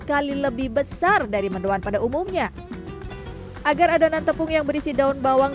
kali lebih besar dari mendoan pada umumnya agar adonan tepung yang berisi daun bawang